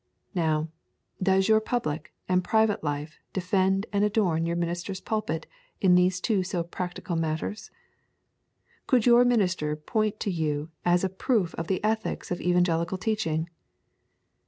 Now, does your public and private life defend and adorn your minister's pulpit in these two so practical matters? Could your minister point to you as a proof of the ethics of evangelical teaching?